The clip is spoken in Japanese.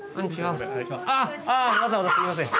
あっあわざわざすいません。